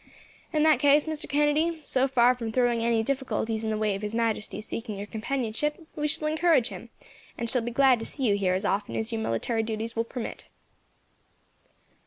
"In that case, Mr. Kennedy, so far from throwing any difficulties in the way of His Majesty seeking your companionship, we shall encourage him, and shall be glad to see you here, as often as your military duties will permit."